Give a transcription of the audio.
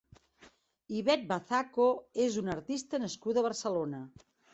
Ivet Bazaco és una artista nascuda a Barcelona.